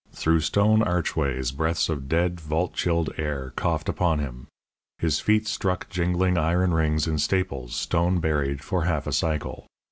Through stone archways breaths of dead, vault chilled air coughed upon him; his feet struck jingling iron rings in staples stone buried for half a cycle.